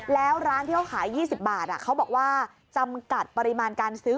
แล้วร้านที่เขาขาย๒๐บาทเขาบอกว่าจำกัดปริมาณการซื้อ